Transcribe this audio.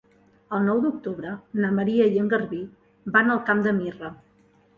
El nou d'octubre na Maria i en Garbí van al Camp de Mirra.